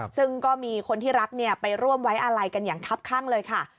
ซึ่งก็มีคนที่รักไปร่วมไว้อาลัยกันอย่างคับข้างเลยค่ะ